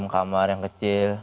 kamar yang kecil